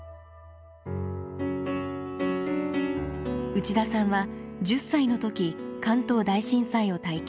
内田さんは１０歳の時関東大震災を体験。